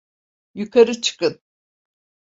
Yukarı çıkın!